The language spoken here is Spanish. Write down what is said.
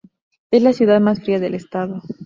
Es la ciudad más fría del estado.